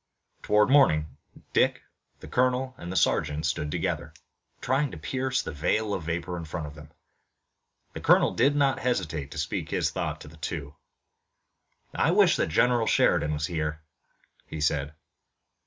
Toward morning Dick, the colonel and the sergeant stood together, trying to pierce the veil of vapor in front of them. The colonel did not hesitate to speak his thought to the two. "I wish that General Sheridan was here," he said.